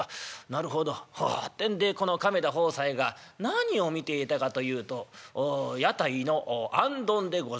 なるほどほう」ってんでこの亀田鵬斎が何を見ていたかというと屋台の行灯でございます。